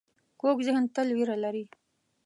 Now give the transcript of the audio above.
کوږ ذهن تل وېره لري